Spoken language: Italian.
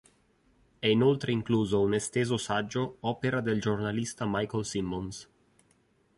È inoltre incluso un esteso saggio opera del giornalista Michael Simmons.